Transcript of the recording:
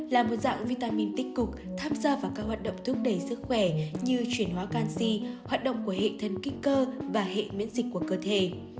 là một dạng vitamin tích cực tham gia vào các hoạt động thúc đẩy sức khỏe như chuyển hóa canxi hoạt động của hệ thân kích cơ và hệ miễn dịch của cơ thể